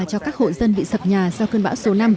cho các hộ dân bị sập nhà sau cơn bão số năm